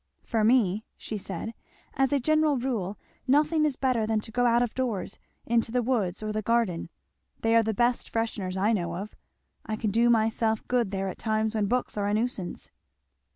"For me," she said, "as a general rule, nothing is better than to go out of doors into the woods or the garden they are the best fresheners I know of. I can do myself good there at times when books are a nuisance."